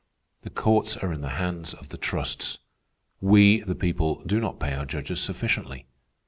The courts are in the hands of the trusts. We, the people, do not pay our judges sufficiently.